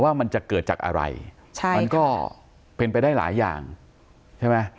มันจะเกิดจากอะไรใช่มันก็เป็นไปได้หลายอย่างใช่ไหม